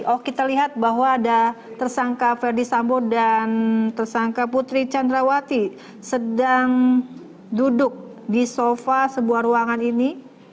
oh kita lihat bahwa ada tersangka ferdi sambo dan tersangka putri candrawati sedang duduk di sofa sebuah ruangan ini